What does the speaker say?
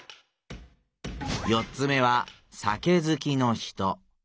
四つ目は酒ずきの人。